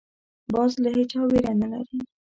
باز له هېچا ویره نه لري